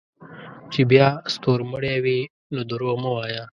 چې بیا ستورمړے وې نو دروغ مه وایه